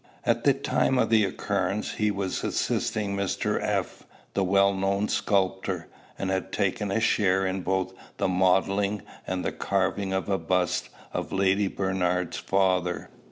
At the time of the occurrence, he was assisting Mr. F., the well known sculptor, and had taken a share in both the modelling and the carving of a bust of Lady Bernard's father.